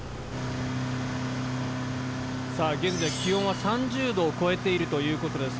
さあ現在気温は３０℃を超えているという事です。